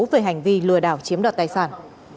về hành vi lừa đảo chiếm đoạt tài sản